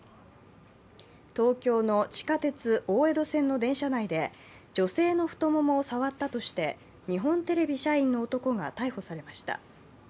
東京の地下鉄大江戸線の電車内で女性の太ももを触ったとして日本テレビ社員の男が逮捕されました。